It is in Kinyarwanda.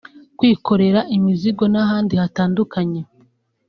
kwikorera imizigo n’ahandi hatandukanye